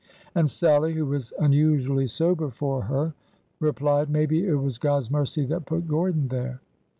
And Sallie, who was unusually sober for her, replied: '' Maybe it was God's mercy that put Gordon there."